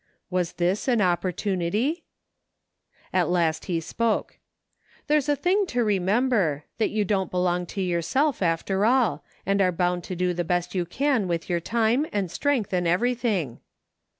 Was this an opportunity ? At last he spoke: "There's a thing to remem ber ; that you don't belong to yourself, after all ; and are bound to do the best you can with your time, and strength, and everything."